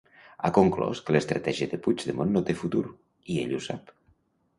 Ha conclòs que l'estratègia de Puigdemont no té futur, i ell ho sap.